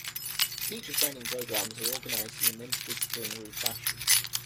The teacher training programmes are organized in an interdisciplinary fashion.